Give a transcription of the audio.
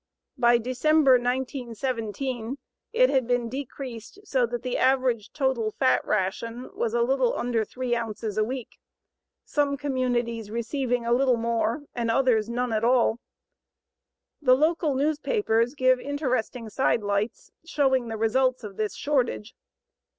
By December, 1917, it had been decreased, so that the average total fat ration was a little under 3 ounces a week, some communities receiving a little more, and others none at all. The local newspapers give interesting side lights showing the results of this shortage.